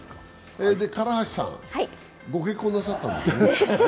唐橋さん、ご結婚なさったんです。